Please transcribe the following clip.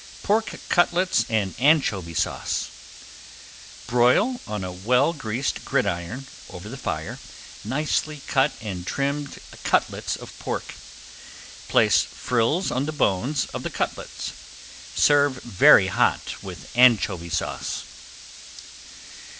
~PORK CUTLETS AND ANCHOVY SAUCE~ Broil on a well greased gridiron, over the fire, nicely cut and trimmed cutlets of pork. Place frills on the bones of the cutlets. Serve very hot with Anchovy Sauce.